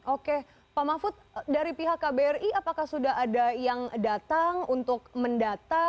oke pak mahfud dari pihak kbri apakah sudah ada yang datang untuk mendata